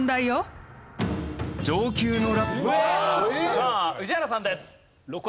さあ宇治原さんです。